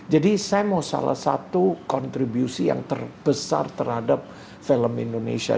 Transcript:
jadi saya mau salah satu kontribusi yang terbesar terhadap film indonesia